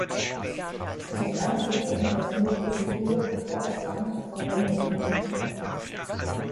Es ist anzunehmen, dass zur Politur Quarzsand Verwendung fand.